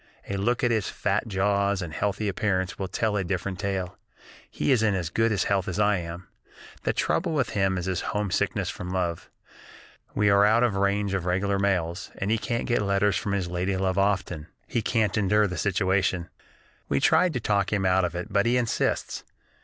A look at his fat jaws and healthy appearance will tell a different tale. He is in as good health as I am. The trouble with him is homesickness from love. We are out of the range of regular mails, and he can't get letters from his lady love often. He can't endure the situation. We tried to talk him out of it, but he insists.